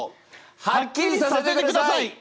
はっきりさせてください！